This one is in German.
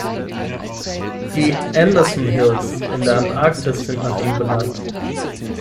Die Anderson Hills in der Antarktis sind nach ihm benannt.